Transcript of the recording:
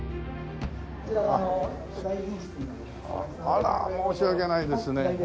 あら申し訳ないですね。